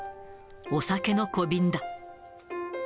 お酒の小瓶だ。